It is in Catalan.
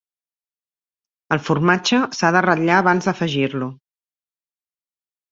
El formatge s'ha de ratllar abans d'afegir-lo.